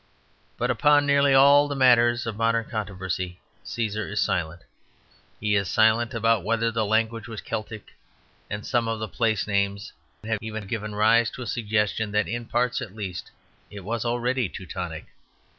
But upon nearly all the matters of modern controversy Cæsar is silent. He is silent about whether the language was "Celtic"; and some of the place names have even given rise to a suggestion that, in parts at least, it was already Teutonic.